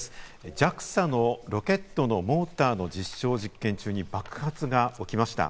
ＪＡＸＡのロケットのモーターの実証実験中に爆発が起きました。